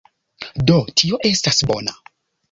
Do, tio estas bona